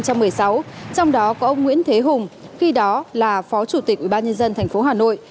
trong đó có ông nguyễn thế hùng khi đó là phó chủ tịch ubnd tp hà nội